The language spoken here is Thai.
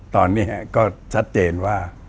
ตอนนี้ก็ชัดเจนว่า